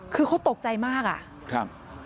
คือเขาตกใจมากอะ